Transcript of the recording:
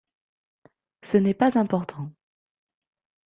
Ce n’est pas important.